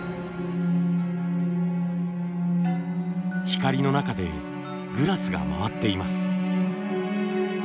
光の中でグラスが回っています。